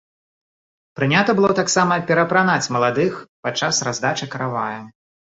Прынята было таксама пераапранаць маладых падчас раздачы каравая.